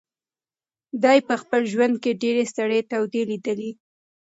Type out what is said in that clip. دی په خپل ژوند کې ډېرې سړې تودې لیدلي.